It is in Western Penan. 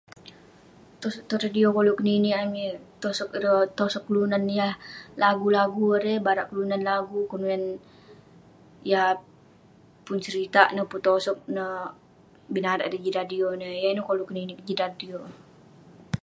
Tosog tong radio koluk keninik amik, tosog ireh tosog kelunan yah lagu lagu erei..barak kelunan lagu, barak kelunan yah pun seritah neh pun tosog neh bi narak ireh jin radio, yah ineh koluk keninik kik jin radio